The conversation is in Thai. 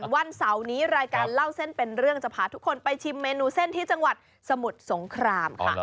วันเสาร์นี้รายการเล่าเส้นเป็นเรื่องจะพาทุกคนไปชิมเมนูเส้นที่จังหวัดสมุทรสงครามค่ะ